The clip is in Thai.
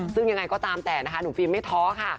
ซึ่งยังไงก็ตามแต่นะคะหนุ่มฟิล์มไม่ท้อค่ะ